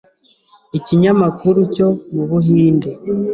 Ikinyamakuru cyo mu buhinde